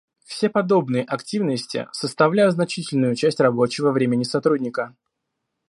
Все подобные активности составляют значительную часть рабочего времени сотрудника